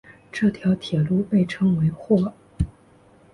这条铁路被称为或。